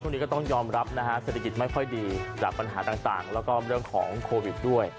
ก็ต้องยอมรับนะฮะเศรษฐกิจไม่ค่อยดีจากปัญหาต่างแล้วก็เรื่องของโควิดด้วย